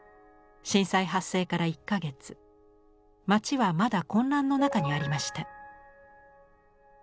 震災発生から１か月町はまだ混乱の中にありました。